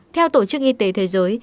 theo tổ chức y tế thế giới